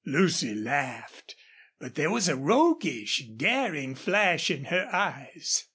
Lucy laughed, but there was a roguish, daring flash in her eyes.